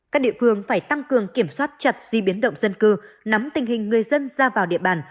các địa phương phải tăng cường kiểm soát chặt di biến động dân cư nắm tình hình người dân ra vào địa bàn